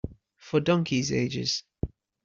For donkeys' ages.